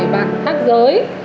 bạn khác giới